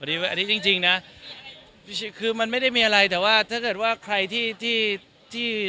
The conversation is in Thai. อันนี้จริงจริงนะคือมันไม่ได้มีอะไรแต่ว่าถ้าเกิดว่าใครที่ที่